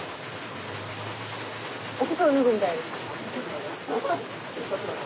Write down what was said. お靴を脱ぐみたいです。